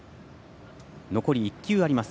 残り１球あります